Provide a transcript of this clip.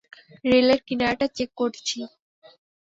রেলের কিনারাটা চেক করছি।